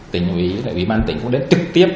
tỉnh ủy ủy ban tỉnh cũng đến trực tiếp